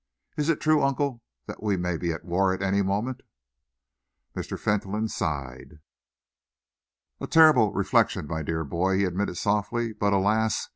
Is it true, uncle, that we may be at war at any moment?" Mr. Fentolin sighed. "A terrible reflection, my dear boy," he admitted softly, "but, alas!